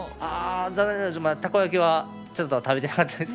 残念ですがたこ焼きはちょっと食べてなかったです。